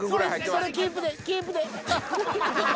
それキープでキープで。